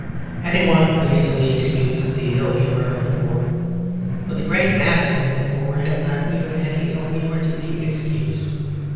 Any one could easily excuse the ill humour of the poor. But great masses of the poor have not even any ill humour to be excused.